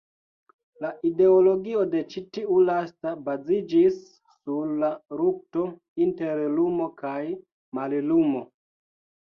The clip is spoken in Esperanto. La ideologio de ĉi tiu lasta baziĝis sur la lukto inter lumo kaj mallumo.